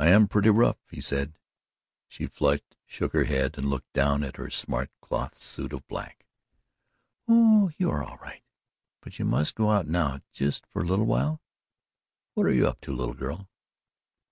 "I am pretty rough," he said. She flushed, shook her head and looked down at her smart cloth suit of black. "Oh, you are all right but you must go out now, just for a little while." "What are you up to, little girl?"